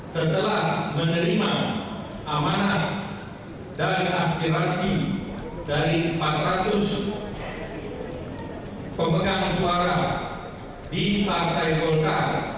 setelah menerima amanat dari aspirasi dari empat ratus pemegang suara di partai golkar